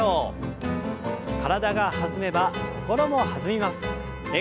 体が弾めば心も弾みます。